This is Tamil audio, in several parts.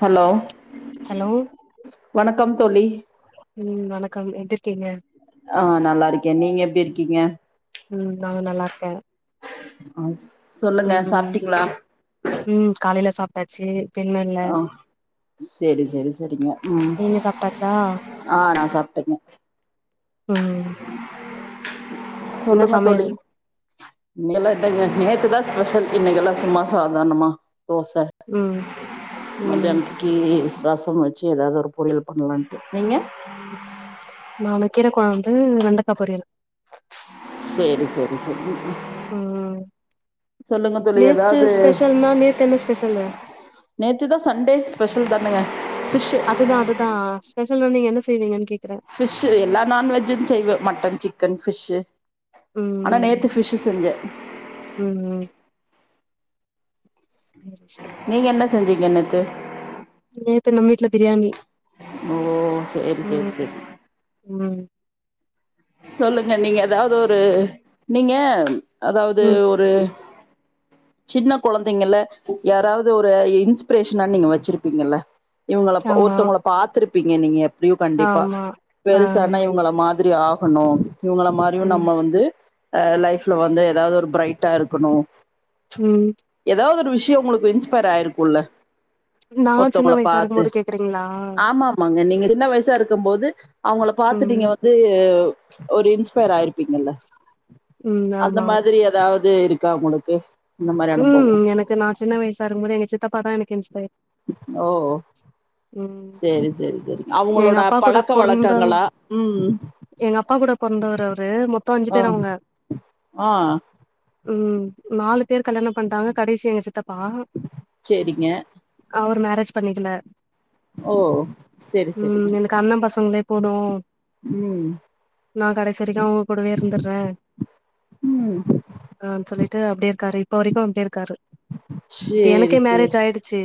ஹலோ ஹலோ வணக்கம் தோழி ம் வணக்கம் எப்டி இருக்கீங்க ஆ நல்லா இருக்கே நீங்க எப்டி இருக்கீங்க ம் நா நல்லா இருக்கே அ சொல்லுங்க ம் சாப்டீங்களா ம் காலையில சாப்ட்டாச்சு இப்ப இன்னு இல்ல ஆ சேரி சேரி சேரிங்க ம் நீங்க சாப்ட்டாச்சா ஆ நா சாப்ட்டேங்க ம் என்ன சொல்லுங்க தோழி சமையல் இன்ல்லா எனாங்க நேத்துதா ஸ்பெஷல் இன்னைக்கு எல்லா சும்மா சாதாரணமா தோச ம் ம் மத்யானத்திகி ரசம் வச்சு ஏதாவது ஒரு பொரியல் பண்ணலான்ட்டு நீங்க நானு கீரக்கொழம்பு வெண்டக்கா பொரியல் சேரி சேரி சேரி ம் சொல்லுங்க தோழி நேத்து ஏதாவது ஸ்பெஷல்னா நேத்து என்ன ஸ்பெஷல் நேத்து தா சண்டே ஸ்பெஷல் தானுங்க ப்பிஷ் அதுதா அதுதா ஸ்பெஷல் வந்து நீங்க என்ன செய்வீங்கன்னு கேக்குற ஃபிஷ் எல்லா நான்வெஜ்ஜு செய்வே மட்டன் சிக்கன் ஃபிஷ் ஆனா நேத்து ம் ஃபிஷ் செஞ்சே ம் சரி சரி நீங்க என்ன செஞ்சிங்க நேத்து நேத்து நம்ம வீட்ல பிரியாணி ஓ சேரி சேரி ம் சேரி ம் சொல்லுங்க நீங்க ஏதாவது ஒரு நீங்க அதாவது ம் ஒரு சின்ன கொழந்தைங்கல யாராவது ஒரு இன்ஸ்பிரேஷன நீங்க வச்சிருப்பீங்கல்ல இவ்ங்கள ஆமா ஒருத்தவுங்கள பாத்துருப்பீங்க நீங்க ரியு கண்டிப்பா ஆமா ஆ பெருச ஆனா இவுங்கள மாதுரி ஆகணு இவங்கள மாத் இவ் ம் நம்ம வந்து அ லைஃப்ல வந்து எதாவ்து ஒரு ப்ரரைட்டா இருக்குணு ம் எதாவ்து ஒரு விஷ்ய உங்களுக்கு இன்ஸ்பயர் ஆயிருக்குல்ல நா சின்ன ஒருத்தவுங்கல வயசா இருக்கும் பாத்து போது கேக்குறீங்களா ஆமா மாங்க நீங்க சின்ன வய்சா இருக்கம்போது அவுங்கள பாத்து ம் நீங்க வந்து ஒரு இன்ஸ்பயர் ஆயிருப்பீங்கள்ள ம் அந்த ஆமா மாரி எதாவ் து இருக்கா உங்களுக்கு இந்த மாரி ம் அனுபவம். எனக்கு நா சின்ன வய்சா இருக்கும்போது எங்க சித்தப்பாதா எனக்கு இன்ஸ்பைர் ஓ சேரி சேரி சேரி எங்க அவுங்களோட அப்பா கூட பழக்க பொறந்த வழக்கங்களா ம் எங்க அப்பா கூட பொறந்தவ்ரு அவுரு மொத்தோ அஞ்சு ஆ. பேர் அவுங்க ஆ. ம் நாலு பேரு கல்யாண பண்ட்டாங்க கடைசி எங்க சித்தப்பா சரிங்க. அவுரு மேரேஜ் பண்ணிக்கில ஓ சேரி செரிங்க கண்ண பசங்ளே போது ம் நா கடேசி வரிக்கு அவுங்க கூடவே இருந்துற்ற ம். அ சொல்லிட்டு அப்டே இருக்காரு ஒரிக்கு அப்டடே இருக்காரு இப்ப சரி, எனக்கே மேரேஜ் சரி. ஆயிடுச்சு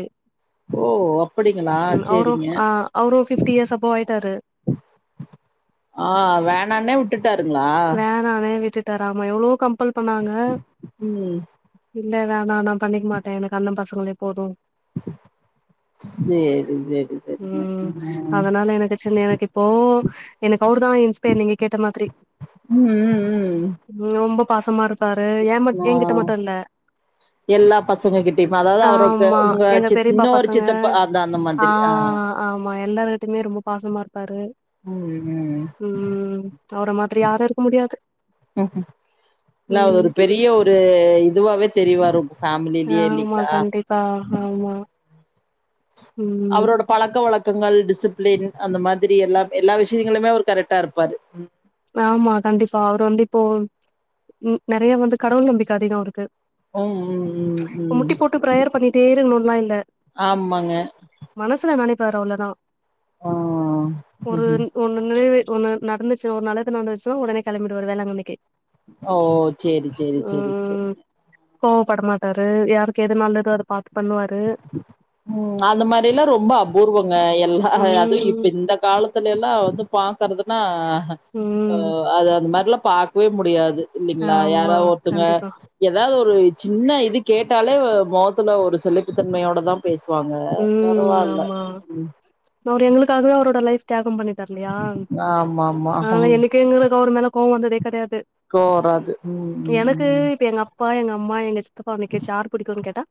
ஓ! அப்படிங்களா? ம் அவுரோப் சரிங்க. அ அ அவுரு ஒரு ஃபிஃப்ட்டி இயர்ஸ் அபோ ஆயிட்டாரு ஆ வேணானே உட்டுட்டாருங்ளா அ வே விட்டுட்டு ஆமா எவ்ளோ கம்ப்பல் பண்ணாங்க ம். இல்ல வேணா நா பண்ணிக்மாட்டே எனக்கு அண்ண பசங்களே போது சேரி ம் அதனால எனக்கு சின்ன எனக்கு இப்போ எனக்கு அவுரு தா இன்ஸ்பைர் நீங்க கேட்ட மாத்ரி ம் ம் ம். நொம்ப பாசமா இருப்பாரு ஏம்ப ஏ ஆ. கிட்ட மட்டு இல்ல எல்லா பசங்க கிட்டயுமே அதாவ்து அவர் வந்து ஆமா உங்க எங்க சித் பெரியப்பா இன்னொரு பசங்க சித்தப்பு அந்த அந்த ஆ மாதுரி அ ஆமா எல்லாருகிட்யுமே ரொம்ப பாசமா இருப்பாரு ம் ம் அவுர மா ரி யாரு இருக்க முடியாது ம் இல்ல அது ம் ஒரு பெரிய ஒரு இதுவாவே தெரிய்வாரு உங் பேம்லிலியே இல்லிங்ளா அ ஹாமா அவுரோட பழக்க வழக்கங்கள் டிசிப்ளின் அந்த மாதுரி எல்லா எல்லா விஷ்யங்களிமே அவுர் கரெக்டா இருப்பாரு ஆமா கண்டிப்பா அவுரு வந்து இப்போ நெறைய வந்து கடவுள் நம்பிக்க அதிகோ அவுருக்கு ம் ம் ம் இப்ப ம் முட்டி போட்டு பிரயர் பண்ணிட்டே இருக்குணுன்லா இல்ல ஆமாங்க மனசுல நனைப்பாரு அவ்ளோதா ஆ ஒரு ம்ஹ்ம் ஒன்னு நிறைவி ஒன்னு நடந்துச் ஒரு நல்லது நடந்துச்சோ ஒடனே களம்பிடுவாரு வேளாங்கண்ணிக்கு ஒ ஒ சேரி சேரி சேரி சேரி ம் கோவப்பட மாட்டாரு யாருக்கு எது நல்லதோ அத பாத்து பண்ணுவாரு ம் அந்த மாரில்லா ரொம்ப அபூர்வங்க எல்லா அது இப்ப ம் இந்தக் காலத்துலல்லா வந்து பாக்கறதுனா ம் அது அந்த மாரில்லா பாக் வே முடியாது இல்லிங்ளா ஆமா யாரா ஒர்த்தங்க கண்டிப்பா ஏதாவ்து ஒரு சின்ன இது கேட்டாலே மொகத்துல ஒரு சலிப்புத்தன்மயோட தா பேசுவாங்க பரவால்ல ச அவுர் எங்களுக்காகவே அவரோட லைஃப் தியாக பண்ணிட்டாரு இல்லயா ஆமா ஆமா ஆனா ம் என்னக்யு எங்களுக்கு அவர் மேல கோவ வந்ததே கெடையாது கோவோ வராது ம் ம் எனக்கு ம் இப்ப எங்க அப்பா எங்க அம்மா எங்க சித்தப்பாவ நிக்க வச்சு யார் புடிக்குனு கேட்டா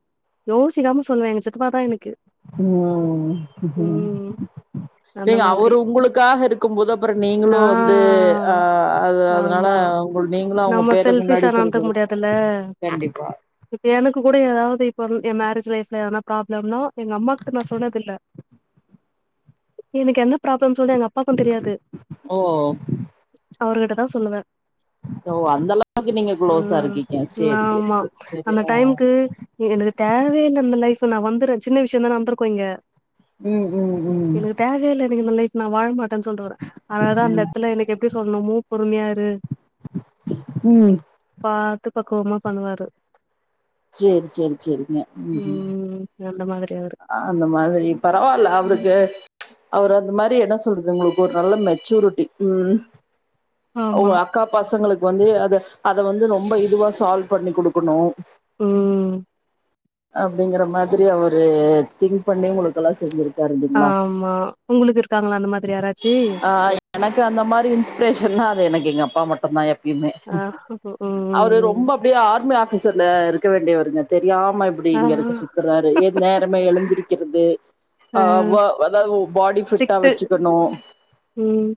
யோசிக்காம சொல்லுவே எங்க சித்தப்பா தா எனக்கு ம் ம் அந்த ஏங்க மாதிரி அவரு உங்களுக்காக இருக்கு போது அப்றோ நீங்களு ஆ வந்து ஆ அது அதனால ஆமா நீங்களு அவுங்க நம்ம பேருக்கு செல்ஃபிஷா முன்னாடி நடந்துக்க சொல்றது முடியாதுல்ல கண்டிப்பா இப்ப எனக்கு கூட ஏதாவ்து இப்ப எ மேரேஜ் லைப்ல எதனா ப்ராப்ளம்னா எங்க அம்மாக்கு நா சொன்னதுல்ல எனக்கு என்ன ப்ராப்ளம் சொன்ன எங்க அப் அப்பாக்கு தெரியாது ஓ அவருகிட்ட தா சொல்லுவே ஓ அந்த அளவுக்கு நீங்க க்ளோஸா ம் இருக்கீங்க சேரி சேரி ஆமா சேரி அந்த ஆ டைம்கு எனக்கு தேவயே இல்ல இந்த லைஃப் நா வந்துறே சின்ன விஷ்யோ தா நடந்திருக்கு இங்க ம் ம் ம் தேவையே இல்ல எனக்கு இந்த லைஃப் நா வாழ மாட்டேன்னு சொல்டுவே அழகா அந்த எடத்துல எனக்கு எப்டி சொல்லணுமோ பொறுமையா இருந் ம் து பாத்து பக்குவமா பண்ணுவாரு சேர் சேர் சேரிங்க ம் ம் அந்த மாதிரி அவரு அந்த மாதிரி பரவால்ல ம். அவருக்கு அவரு அந்த மாதிரி என்ன சொல்றது உங்களுக்கு ஒரு நல்ல மெச்சூரிட்டி ம் ஆமா உங்க அக்கா பசங்களுக்கு வந்து அத அத வந்து ரொம்ப இதுவா சால்வ் பண்ணி குடுக்கணு ம் அப்டிங்ற மாதிரி அவரு திங்க் பண்ணி உங்கக்கெல்லா செஞ்சிருக் ஆமா உங்களுக்கு இருக்காங்களா அந்த மாதிரி யாராச்சி ஆ எனக்கு அந்த மாரி இன்ஸ்பிரேஷன்னா அது எனக்கு எங்க அப்பா மட்டுதா எப் யுமே ஆ ம் அவரு ம் ரொம்ப அப்டியே ஆர் மி ஆபீசர்ல இருக்க வேண்டியவருங்க தெரியாம இபடி இங்க ஆஹா இருக்க சுத்துறாரு ஏ நேரமே எழுந்திருக்கிறது ஆ அ அ அதாவ்து பாடி ஃபிட்டா சிக்ஸ்த்து வச்சுக்கணு ம்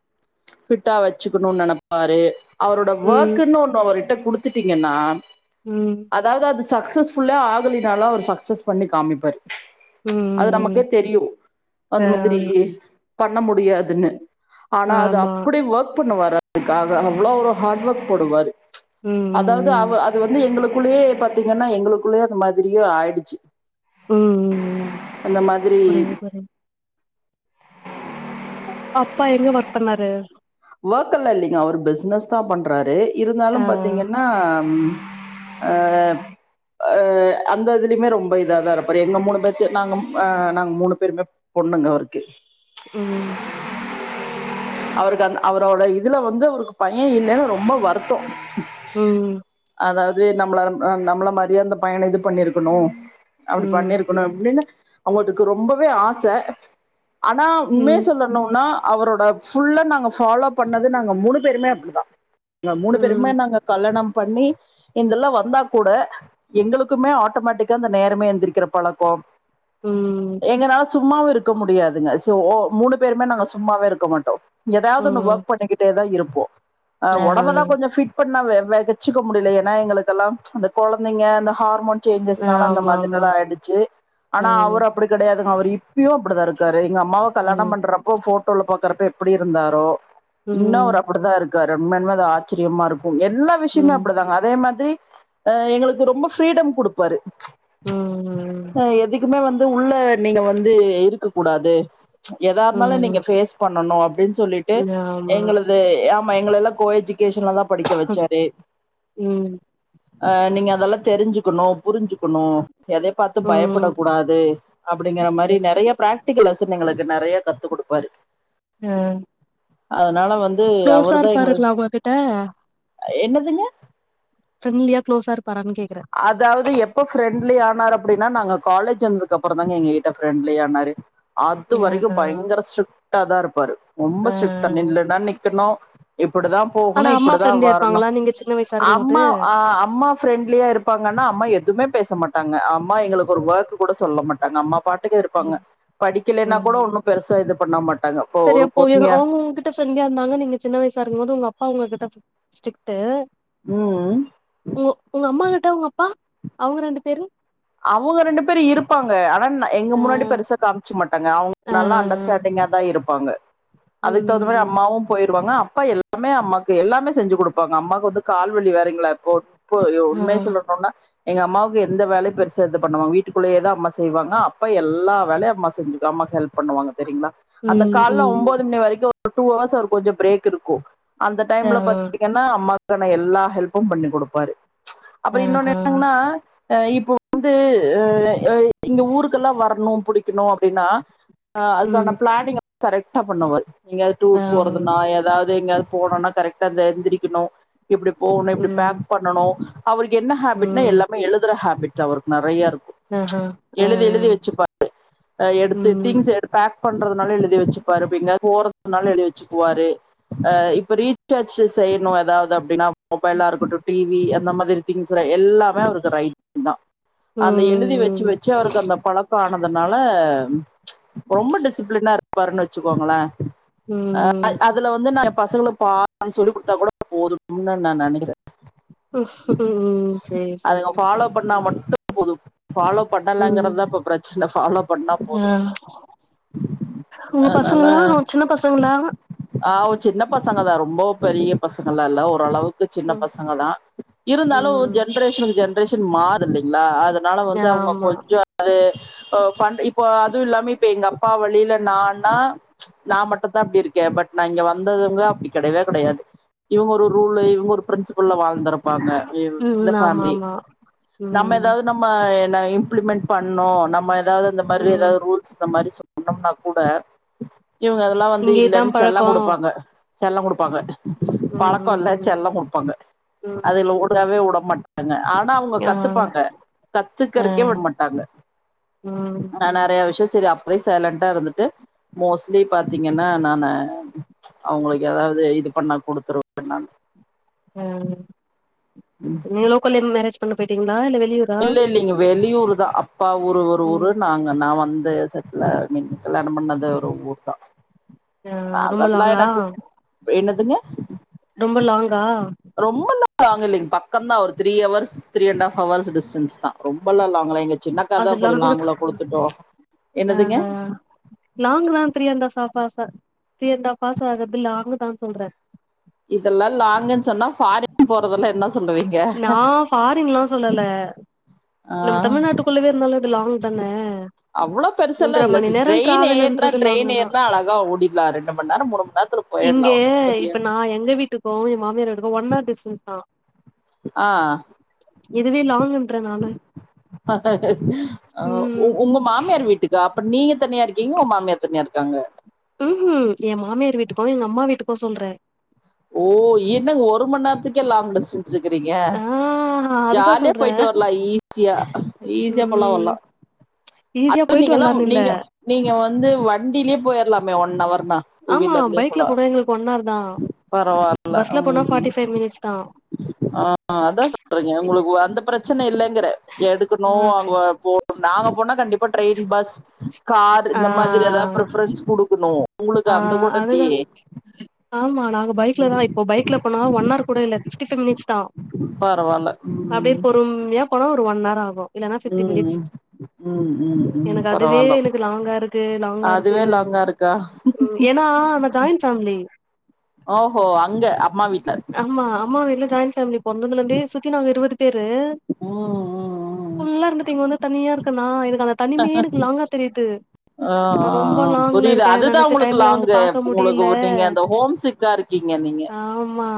ஃபிட்டா வச்சுக்குணுனு நெனப்பாரு அவரோட ம் ஒர்க்ன்னு ஒண்ணு அவர்ட்ட குடுத் த்துட்டீங்கன்னா ம் அதாது அது சக்சஸ்ஃபுல்லே ஆகலினாலு அவர் சக்சஸ் பண்ணி காமிப்பாரு அது ம் ம் நமக்கே தெரியு அந்த ஆ மாதிரி பண்ண முடியாதுன்னு ஆனா அது ஆமா அப்டி ஓர்க் பண்ணுவாரு அதுக்காக அவ்ளோ ஒரு ஹார்ட் ஒர்க் போடுவாரு ம் அதாவ்து ம் அவ அது வந்து எங்களுக்குள்ளேயே பாத்திங்கன்னா எங்களுக்குள்ளேயே அந்த மாதிரியே ஆய்டுச்சு ம் ம் ம் அந்த மாதிரி புரியுது புரியுது அப்பா எங்க ஒர்க் பண்ணாரு வொர்க்கல்லா இல்லைங்க அவரு பிசினஸ்தா பண்றாரு இருந்தாலு ஆ பாத்திங்கன்னா அ அந்த இதுலய்மே ரொம்ப இதா தா இருப்பாரு எங்க மூனு பேத்யு நாங்க அ நாங்க மூனு பேருமே பொண்ணுங்க அவருக்கு ம் அவருக்கு அந்த் அவரோட இதுல வந்து அவருக்கு பையெ இல்லன்னு ரொம்ப வருத்தோ ம் அதாவது நம்ள நம்ள மாரியே அந்த பையன இது பண்ணிருக்கணு ம் அப்டி பண்ணிருக்கனு அப்டின்னு அவுங்கடுக்கு ரொம்பவே ஆச ஆனா உண்மைய ம் சொல்லணுனா அவரோட ஃபுல்லா நாங்க பாலோ பண்ணது நாங்க மூனு பேருமே அப்டிதா இந்த மூனு பேருமே ம் நாங்க கல்லாணம் பண்ணி இதெல்லா வந்தா கூட எங்களுக்குமே ஆட்டோமேட்டிக்கா இந்த நேரமே எந்திரிக்கிற பழக்கொ ம் எங்கனால சும்மாவு இருக்க முடியாதுங்க சோ மூனு பேருமே நாங்க சும்மாவே இருக்க மாட்டோ ஏதாவது ஒன்னு ம் ஒர்க் பண்ணிக்கிட்டே தா இருப்போ அ ஆ ஒடம்ப தா கொஞ்சொ ஃபிட் பண்ணா வெ வெச்சுக்க முடிய்ல ஏன்னா எங்களுக்கெல்லா அந்த கொழந்தைங்க அந்த ஹார்மோன் சேஞ்சஸ்னால அந்த ஆமா ஆமா மாதுரலா ஆயிடுச்சு ஆ ஆனா அவர் அப்டி கெடையாதுங்க அவர் இப்பயு அப்டிதா இருக்காரு எங்க அம்மாவ கல்யாணம் ம் பண்றப்போ ஃபோட்டோல பாக்குறப்ப எப் எப்டி இருந்தாரோ இன்னொ அவரு ம் அப்புடுதா இருக்காரு உண்மையானுமே அது ஆச்சிரியமா இருக்கு எல்லா விஷ்யமே ம் அப்டிதாங்க அதே மாதிரி எங்களுக்கு ரொம்ப ஃப்ரீடம் குடுப்பாரு ம் ம் அ எதுக்குமே வந்து உள்ள நீங்க வந்து இருக்க கூடாது எதா இருந்தாலு நீங்க ம் ஃபேஸ் பண்ணனு அப்டின் சொல்லிட்டு ஆமா எங்கள து ஆமா எங்களெல்லா கோ எஜுகேஷன்லதா படிக்க வச்சாரு ம் அ நீங்க அதெல்லா தெருஞ்சுக்கனு புருஞ்சுக்கனு எதே பாத்து ம் பயப்புடக்கூடாது அப்டிங்கற சரி மாரி நெறைய சரி பிரா ட்டிகிளாஸ்னு எங்களுக்கு நெறைய கத்து குடுப்பாரு ம் அதனால வந்து கு்ளோஸா அவரு தா இருப்பாருங்ளா எங்களுக்கு உங்க கிட்ட என்னதுங்க ஃப்ரெண்ட்லியா குளோஸா இருப்பாரானு கேக்குறே அதாவது எப்ப ஃப்ரெண்ட்லி ஆனாரு அப்டின்னா நாங்க காலேஜ் வந்துக்கு அப்பறொந் தாங்க எங்க கிட்ட ஃப்ரெண்ட்லி ஆனாரு அது வரைக்கு ஆஹா பயங்கர ஸ்ட்ரிட்டா தா இருப்பாரு ரொம்ப ஆ ஸ்ட்ரிட்டா நில்லுன்னா நிக்கனு இப்புடுதா போகணு ஆனா அம்மா இப்புடுதா ஃப்ரெண்ட்லியா வரணு இருப்பாங்களா நீங்க சின்ன வயசா இருக்கும்போது அம்மா் அம்மா ஃப்ரெண்ட்லியா இருப்பாங்கன்னா அம்மா எதுமே பேச மாட்டாங்க அம்மா எங்களுக்கு ஒரு ஒர்க் கூட சொல்ல மாட்டாங்க அம்மா பாட் டுக்கு இருப்பாங்க ம் படிக்கலென்னா கோடொ ஒன்னு பெருசா இது பண்ண மாட் செரி அப்ப இவ்ங் அவுங்க உங் ட்ட ஃப்ரெண்ட்லியா இருந்தாங்க நீங்க சின்ன வயசா இருக்கும்போது உங்க அப்பா உங்ககிட்ட ஸ்ரிக்ட்டு ம் ம் உங்க உங்க அம்மா கிட்ட உங்க அப்பா அவுங்க ரெண்டு பேரு அவுங்க ரெண்டு பேரு இருப்பாங்க ஆனா எங்க ஆ முன்னாடி பெருசா காம்ச்சுக் மாட் டாங்க அவ்ங்க ஆ நல்லா அண்டர்ஸ்டாண்டிங்கா தா இருப்பாங்க அதுக் தகுந்த ம் மாரி ம் அம்மாவு போயிருவாங்க அப்பா எல்லா எல்லாமே அம்மாக்கு எல்லாமே செஞ்சு குடுப்பாங்க அம்மாக்கு வந்து கால்வலி வேறெங்ளா இப்போ ப்போ ஆ உண்மைய சொல்லணுனா எங்க அம்மாவுக்கு எந்த வேலையு பெரு பண்ணுவாங்க வீட்டுகுள்ளயேதா அம்மா செய்வாங்க அப்பா எல்லா வேலையு அம்மா செஞ்சு அம்மாக்கு ஹெல்ப் பண்ணுவாங்க தெரிய்ங்களா அந்த ம் கால்ல ம் ஒன்போது மணி வரைக்கு ஒரு டூ அவர்ஸ் அவர் கொஞ்சொ பிரேக் இருக்கு அந்த ஆ டைம்ல பாத்திங்கன்னா அ அம்மாக்கான எல்லா ஹெல்ப்பும் பண்ணி கொடுப்பாரு அப்புறோ இன்னொன்னு ஆஹா என்னங்கன்னா அ இப்போ வந்து அ இங்க ஊருக்கெல்லா வரணு புடிக்கணு அப்படின்னா ஆ ம் அதுக்கான பிளானிங்லா கரெக்ட்டா பண்ணுவாரு எங்கேயாது டூர் ஆ போறதுன்னா ஏதாவது எங்யாது போணுன்னா கரெக்டா இந்த எந்திரிக்கணு இப்பிடி போணு இப்பிடி ம் பேக் பண்ணணு அவருக்கு என்ன ஹேபிட்னா ம் எல்லாமே எழுதுற ஹேபிட் அவருக்கு நறையருக்கு ஆஹா ஆ எழுதி எழுதி வச்சுப்பாரு அ எடுத்து ம் திங்ஸ் எடுத் பேக் பண்றதுனால எழுதி வச்சுக்குவாரு இப்ப எங்கேயாது போறதுனாலு எழுதி வச்சுக்குவாரு அ இப்ப ரீசார்ஜ் செய்யணு ஏதாவது அப்படின்னா மொபைல்லா இருக்கட்டு டி வி அந்த மாதிரி திங்ஸெல்லா எல்லாமே அவருக்கு ரைட் தா அந்த எழுதி வெச்சு ம் வெச்சு அவருக்கு அந்த பழக்கோ ஆனதுனால ரொம்ப டிசிப்ளினா இருப்பாருன்னு வச்சுக்கோங்களே ம் அ அதுல வந்து நா என் பசங்களுக்கு பா சொல்லி் குடுத்தா கூட போதுன்ன நா நெனைக்கிறே ம் சேரி அதுங்க சேரி ஃபாலோ பண்ணா மட்டும் போது ஃபாலோ ம் பண்ணலங்கறதா இப்ப பிரச்சன ஃபாலோ பண்ணா ஆ போது உங்க பசங்கல்லா சின்ன பசங்களா ஆ சின்ன பசங்கதா ரொம்போ பெரிய பசங்கள்லா இல்ல ஓரளவுக்கு சின்ன ம் பசங்க தா இருந்தாலு ம் ஜென்ரேஷனுக்கு ஜென் ரெஷன் மாருல்லைங்ளா அதனால வந்து அவுங்க ஆமா கொஞ்சோ அ அது பண் இப்போ அதுவு இல்லாம இப்ப எங்க அப்பா வழியில நான்னா நா மட்டும்தா அப்டி இருக்கே பட் நா இங்க வந்ததுவங்க அப்டி கெடையவே கெடையாது இவுங்க ஒரு ரூல்லு இவுங்க ஒரு பிரின்சிபல்ல வாழ்ந்தருப்பாங்க இந்த ம் ஆமா ஃபேமிலி ஆமா நம்ம ம் ஏதாவது நம்ம ந இம்ப்ளிமெண்ட் பண்ணு நம்ம ஏதாவது அந்த மாதிரி ம் ஏதாவது ரூல் ஸ் இந்த மாரி சொன்னோம்னா கூட இவங்க அதெல்லா வந்து இங்க இதா இல்லன் செல்லோ பழக்கோ குடுப்பாங்க செல்லம் குடுப்பாங்க ம் பழக்கோல்லா ம் செல்ல குடுப்பாங்க ம் அதுல ம் உடவே உட மாட்டாங்க ஆ னால அவுங்க ஆ கத்துப்பாங்க ஆ கத்துக்கறக்கே உட மாட்டாங்க ம் ஆ நறைய விஷ்யோ செரி அப்பவே சைலன்ண்டா இருந்துட்டு மோஸ்ட்லி பாத்தீங்கன்னா நானு அவுங்களுக்கு ஏதாவது இது பண்ணா குடுத்துருவ நானு ம் நீங்க லோக்கல்லே மேரேஜ் பண்ண பேட்டீங்ளா இல்ல வெளியூர் இல்ல இல்லிங்க வெளியூர் தா அப்பா ஊர் ஒரு ம் ஊரு நாங்க நா வந்த ச லா மின் கல்யாணம் பண்ணது ஒரு ஊர் தா ஆ ரொம்ப அதெல்லா லாங்கா எனக்கு என்னதுங்க ரொம்ப லாங்கா ரொம்பல்லா லாங் இல்லைங்க பக்கம்தா ஒரு three hours three and half hours distance தா ரொம்பல்ல லாங் இல்லைங் சின்னக்கா தா அது கொஞ்சோ லாங்கு தா லாங்கள குடுத்துட்டோ என்னதுங்க லாங் தா த்ரீ அண்ட் சார்பாசா த்ரீ அண்ட் ஹாப் ஹவர்ஸ் ஆகுதுல்ல லாங்கு தா சொல்றே இதெல்லா லாங்குன் சொன்னா ஃபாரின் போறதெல்லா என்ன சொல்லுவீங்க நா ஃபாரின்லா சொல்லல்ல ஆ குள்ளவே இருந்தாலு அது லாங் தான அவ்ளோ பெருசெல்லா மூன்ற இல்ல மணி நேரோ ட்ரெயின் ஏருனா டிராவல்ன்றது ட்ரெயின் லாங்கு தா ஏர்னா அழகா ஓடிர்லா ரெண்டுமந் நேரோ மூணுமந்நேரத்துல இங்கே இப்ப நா எங்க வீட்டுக்கு என் மாமியார் வீட்டுக்கு ஒன் ஹவர் டிஸ்டன்ஸ் தா ஆ இதுவே லாங்ன்றேன் நானு ம் உங்க மாமியார் வீட்டுக்கா அப்ப நீங்க தனியா இருக்கீங்க உங்க மாமியார் தனியா இருக்காங்க ம் ஹும் என் மாமியார் வீட்டுக்கும் எங்க அம்மா வீட்டுக்கும் சொல்றேன் ஓ என்னங்க ஒருமன் நேரத்துக்கே லாங் டிஸ்டன்ஸ்கிறீங்க ஆ அதுதா ஜாலியா சொல்றே போயிட்டு வரலாம் ஈஸியா ஈஸியா போலாம் ம் வரலாம் ஈஸியா அதும் போயிட்டு நீங்கல்லாம் வரலான்னு இல்ல நீங்க நீங்க வந்து வண்டிலயே போயிறலாமே ஒன் அவர்னா ஆமா பைக்ல போனா எங்களுக்கு ஒன் ஹர் தான் பரவால்ல பஸ்ல போனா ம் ஃபார்ட்டி ஃபைவ் மினிட்ஸ் தான் ஆ அதான் சொல்றேங்க உங்ளுகு அந்த பிரச்னல்லங்கற எடுக்கணு ஆ அங்க போண நாங்க போனா கண்டிப்பா ட்ரெயின் பஸ் கார் இந்த மாதிரி ஏதாவது ஆ ப்ரஃபரன்ஸ் குடுக்கணு உங்ளுகு அந்த கூட அதுதா இல்லயே ஆமா நாங்க பைக்ல தான் இப்போ பைக்ல போனா ஒன் ஹர் கூட இல்ல ஃபிப்டி பைவ் மினிட்ஸ் தான் பரவால்ல அப்டியே ம் பொறுமையா போனா ஒரு ஒன் ஹர் ஆகும் இல்லலைன்னா பிப்டி மினிட்ஸ் ம் ம் ம் ம் எனக்கு அதுவே பரவாயில்ல எனக்கு லாங்கா இருக்கு லாங்கா இருக்கு அதுவே லாங்கா இருக்கா ஏன்னா நம்ம ஜாயிண்ட் பேமிலி ஓஹோ அங்க அம்மா வீட்ல ஆமா அம்மா எல்லாம் ஜாயிண்ட் ஃபமிலி பொறந்ததுல இருந்தே சுத்தி நாங்க இருவது பேரு ம் ம் ம் ல்ல இருந்துட்டு இங்க வந்து தனியா இருக்கேனா எனக்கு அந்த தனிமையே எனக்கு லாங்கா தெரியுது ஆ ஆ ரொம்ப ஆ லாங்ல புரியுது இருக்கு அதுதா நினைச்ச உங்களுக்கு டைம்ல வந்து லாங்கு பாக்க உங்களுக்கு முடியல நீங்க அந்த ஹோம் சிக்கா இருக்கீங்க நீங்க ஆமா